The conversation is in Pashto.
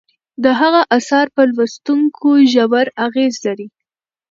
د هغه اثار په لوستونکو ژور اغیز لري.